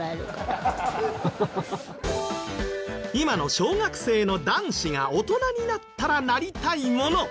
今の小学生の男子が大人になったらなりたいもの